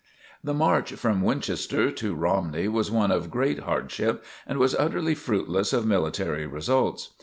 The march from Winchester to Romney was one of great hardship and was utterly fruitless of military results.